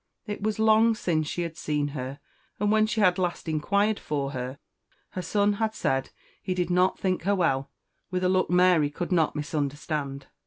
It was long since she had seen her; and when she had last inquired for her, her son had said he did not think her well, with a look Mary could not misunderstand.